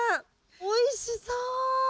おいしそう！